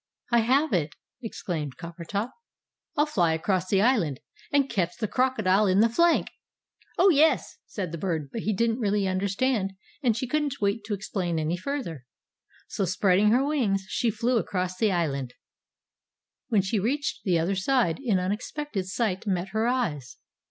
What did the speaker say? "I have it!" exclaimed Coppertop; "I'll fly across the island and catch the crocodile in the flank!" "Oh, yes!" said the Bird, but he didn't really understand, and she couldn't wait to explain any further. So, spreading her wings, she flew across the island. When she reached the other side an unexpected sight met her eyes!